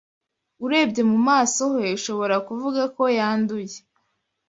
Urebye mu maso he, ushobora kuvuga ko yanduye